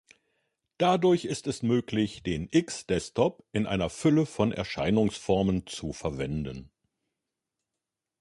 Dadurch ist es möglich, den X-Desktop in einer Fülle von Erscheinungsformen zu verwenden.